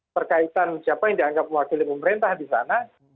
berkaitan siapa yang dianggap mewakili pemerintah di sana